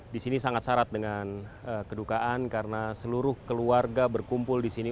disini sangat syarat dengan kedukaan karena seluruh keluarga berkumpul disini